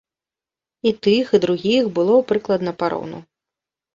І тых, і другіх было прыкладна пароўну.